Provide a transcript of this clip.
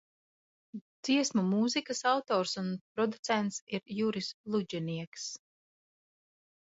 Dziesmu mūzikas autors un producents ir Juris Ludženieks.